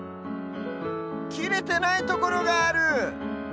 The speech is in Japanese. きれてないところがある！